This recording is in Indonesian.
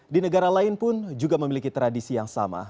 di negara lain pun juga memiliki tradisi yang sama